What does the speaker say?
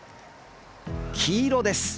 黄色です。